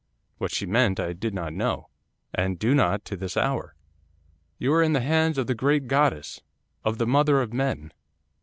What she meant I did not know, and do not to this hour. "You are in the hands of the great goddess, of the mother of men."